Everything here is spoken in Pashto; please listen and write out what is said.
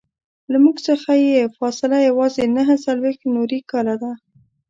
له موږ څخه یې فاصله یوازې نهه څلویښت نوري کاله ده.